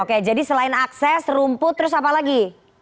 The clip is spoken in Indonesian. oke jadi selain akses rumput terus apa lagi